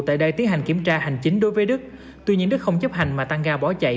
tại đây tiến hành kiểm tra hành chính đối với đức tuy nhiên đức không chấp hành mà tăng ga bỏ chạy